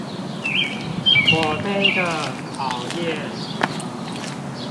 火盃的考驗